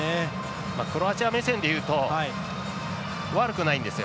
クロアチア目線でいうと悪くないんですよ。